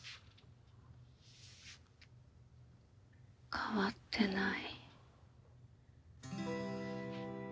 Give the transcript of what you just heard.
変わってない。